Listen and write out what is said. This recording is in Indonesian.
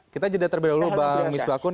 kita jeda terlebih dahulu bang misbakun